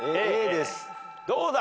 どうだ？